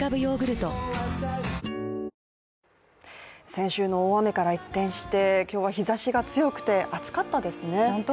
先週の大雨から一転して今日は日ざしが強くて暑かったですね。